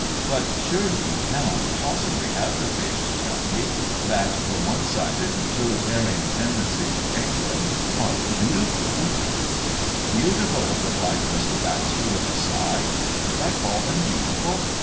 But surely you cannot possibly have the face to tell me, that the one sided, utilitarian tendencies of England are beautiful." "Beautiful," replied Mr. Baxter, with a sigh. "Did I call them beautiful?